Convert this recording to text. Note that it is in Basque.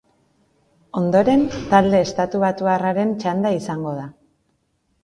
Ondoren, talde estatubatuarraren txanda izango da.